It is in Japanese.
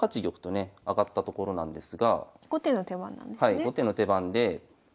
後手の手番で。